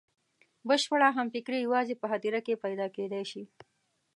بشپړه همفکري یوازې په هدیره کې پیدا کېدای شي.